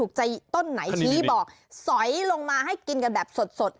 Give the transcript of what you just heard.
ถูกใจลูกไหนถูกใจต้านไหนขี้บอกสอยลงมาให้กินกันแบบสด